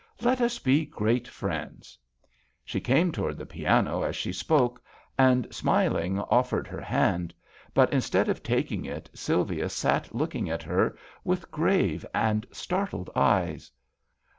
Let us be great friends." She came towards the piano as she spoke, and, smiling, offered her hand ; but instead of taking THE YIOLIN OBBLIGATO. 73 it Sylvia sat looking at her with grave and startled eyes.